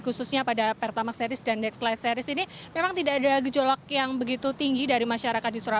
khususnya pada pertamax series dan dex light series ini memang tidak ada gejolak yang begitu tinggi dari masyarakat